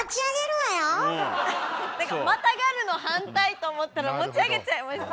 なんか「またがる」の反対と思ったら持ち上げちゃいました。